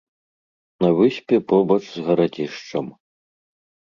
На выспе, побач з гарадзішчам.